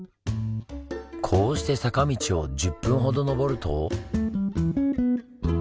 こうして坂道を１０分ほどのぼると。